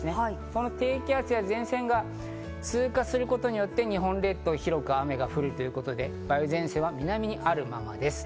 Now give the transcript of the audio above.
この低気圧や前線が通過することによって日本列島、広く雨が降るということで、梅雨前線は南にあるままです。